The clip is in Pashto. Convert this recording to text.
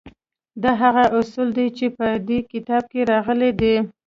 دا هغه اصول دي چې په دې کتاب کې راغلي دي